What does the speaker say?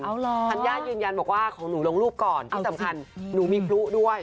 เอาเหรอธัญญายืนยันบอกว่าของหนูลงรูปก่อนที่สำคัญหนูมีพลุด้วย